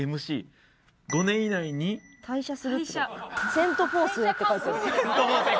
「セントフォースへ？」って書いてる。